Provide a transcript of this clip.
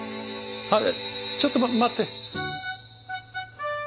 えっちょっと待って。